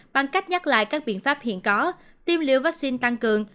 bằng cách nhắc lại các biện pháp hiện có tiêm liều vaccine tăng cường